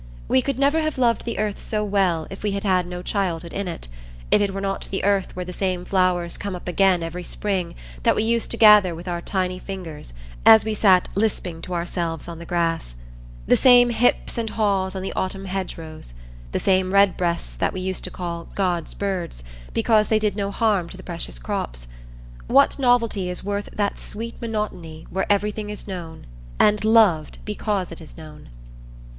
We could never have loved the earth so well if we had had no childhood in it,—if it were not the earth where the same flowers come up again every spring that we used to gather with our tiny fingers as we sat lisping to ourselves on the grass; the same hips and haws on the autumn's hedgerows; the same redbreasts that we used to call "God's birds," because they did no harm to the precious crops. What novelty is worth that sweet monotony where everything is known, and loved because it is known?